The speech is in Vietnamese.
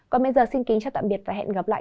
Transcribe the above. còn bây giờ xin kính chào tạm biệt và hẹn gặp lại